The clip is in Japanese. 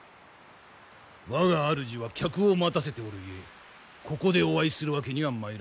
我があるじは客を待たせておるゆえここでお会いするわけにはまいらん。